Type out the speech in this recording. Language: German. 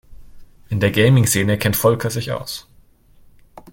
In der Gaming-Szene kennt Volker sich aus.